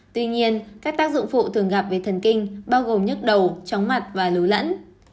tuy nhiên các tác dụng phụ thường gặp về thần kinh bao gồm nhức đầu chóng mặt và lưu lẫn